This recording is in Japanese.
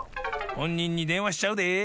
ほんにんにでんわしちゃうで。